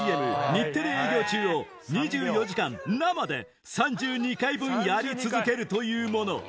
ＣＭ「日テレ営業中」を２４時間生で３２回分やり続けるというもの